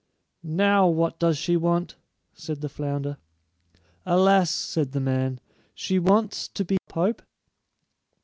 "Now, what does she want?" said the flounder. "Alas" said the man, "she wants to be pope."